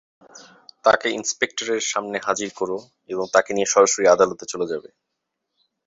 তাকে ইন্সপেক্টরের সামনে হাজির কোরো এবং তাকে নিয়ে সরাসরি আদালতে চলে যাবে।